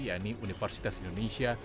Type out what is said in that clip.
yaitu universitas indonesia